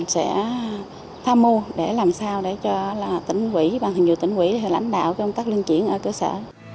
sẽ tham mưu để làm sao để cho tỉnh quỹ bàn thịnh vụ tỉnh quỹ lãnh đạo công tác lương chuyển ở cơ sở